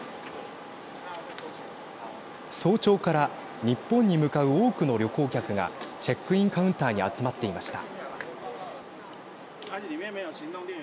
早朝から日本に向かう多くの旅行客がチェックインカウンターに集まっていました。